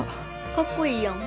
かっこいいやん。